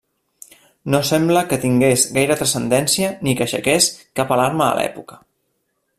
No sembla que tingués gaire transcendència ni que aixequés cap alarma a l'època.